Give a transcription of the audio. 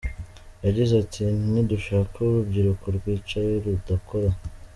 Yagize ati "Ntidushaka urubyiruko rwicaye rudakora.